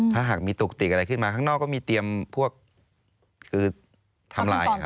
ถ้าหากมีตุกติกอะไรขึ้นมาข้างนอกก็มีเตรียมพวกคือทำลาย